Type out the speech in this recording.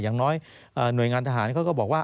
อย่างน้อยหน่วยงานทหารเขาก็บอกว่า